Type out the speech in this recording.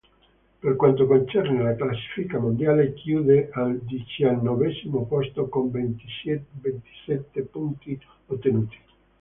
Per quanto concerne la classifica mondiale, chiude al diciannovesimo posto con ventisette punti ottenuti.